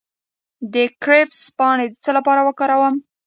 د کرفس پاڼې د څه لپاره وکاروم؟